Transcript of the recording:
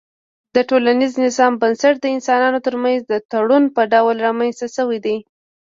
د ټولنيز نظام بنسټ د انسانانو ترمنځ د تړون په ډول رامنځته سوی دی